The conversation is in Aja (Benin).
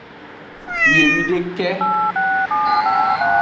Biewideka.